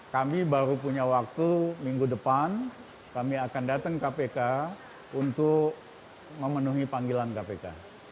kami baru punya waktu minggu depan kami akan datang kpk untuk memenuhi panggilan kpk